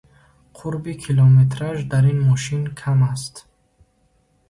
Қурби километраж дар ин мошин кам аст.